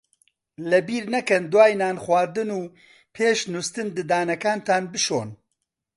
لەبیر نەکەن دوای نان خواردن و پێش نووستن ددانەکانتان بشۆن.